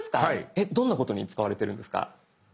えっどんなことに使われてるんですか？